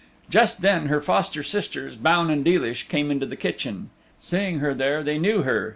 Just then her foster sisters, Baun and Deelish, came into the kitchen. Seeing her there they knew her.